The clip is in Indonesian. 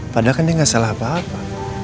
padahal kan dia nggak salah apa apa